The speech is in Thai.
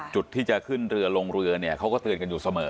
จุดที่จะขึ้นเรือลงเรือเนี่ยเขาก็เตือนกันอยู่เสมอ